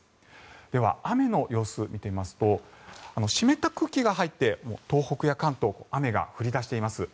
では、雨の様子を見てみますと湿った空気が入って東北や関東は雨が降り出しています。